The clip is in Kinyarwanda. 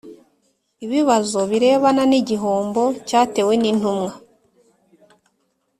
ibibazo birebana n igihombo cyatewe n intumwa